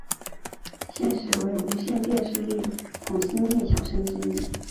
现时为无线电视力捧新晋小生之一。